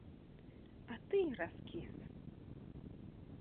А ты і раскіс.